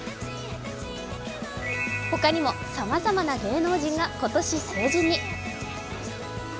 他にもさまざまな芸能人が今年、成人に。